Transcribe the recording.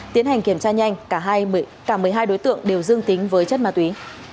tiến hành kiểm tra nhanh cả một mươi hai đối tượng đều dương tính với chất ma túy